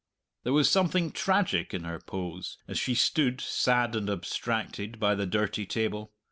There was something tragic in her pose, as she stood, sad and abstracted, by the dirty table.